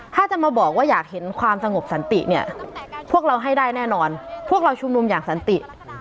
ถ้าจะมาบอกว่าอยากเห็นความสงบสันติเนี่ยพวกเราให้ได้แน่นอนพวกเราชุมนุมอย่างสันติ